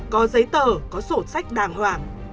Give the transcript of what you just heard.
có giấy tờ có sổ sách đàng hoàng